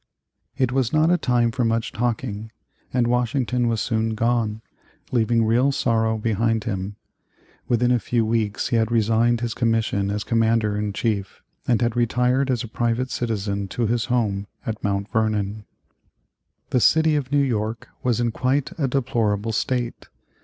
It was not a time for much talking, and Washington was soon gone, leaving real sorrow behind him. Within a few weeks he had resigned his commission as commander in chief, and had retired as a private citizen to his home at Mount Vernon. The city of New York was in quite a deplorable state.